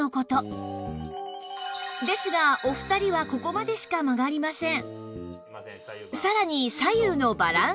ですがお二人はここまでしか曲がりません